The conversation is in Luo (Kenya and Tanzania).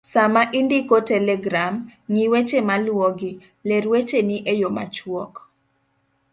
Sama indiko telegram, ng'i weche maluwogi:ler wecheni e yo machuok